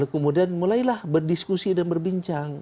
kemudian mulailah berdiskusi dan berbincang